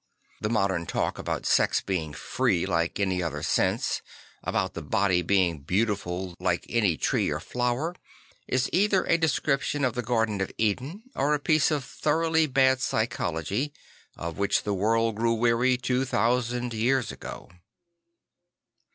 The modern talk about sex being free like any other sense, about the body being beautiful like any tree or flower, is either a description of the Garden of Eden or a piece of thoroughly bad psychology, of which the world grew weary two thousand years ago.